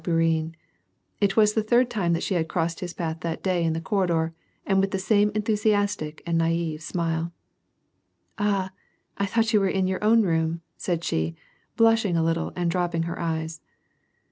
Bourienne ; it was the third time that she had crossed his path that day in the corridor, and with the same enthusiastic and naive smile. "Ah, I thought you were in your own room," said she, blushing a little, and di*opping her eyes.